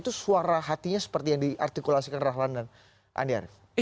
itu suara hatinya seperti yang diartikulasikan rahlan dan andi arief